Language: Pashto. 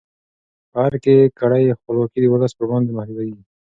په ارګ کې کړۍ خپلواکي د ولس پر وړاندې محدودوي.